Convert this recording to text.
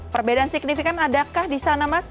perbedaan signifikan adakah di sana mas